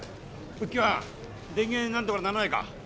復旧班電源なんとかならないか。